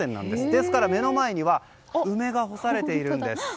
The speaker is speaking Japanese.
ですから、目の前には梅が干されているんです。